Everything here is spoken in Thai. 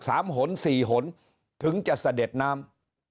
หนสี่หนถึงจะเสด็จน้ำ